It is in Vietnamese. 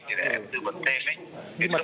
thì để em tư vấn thêm ấy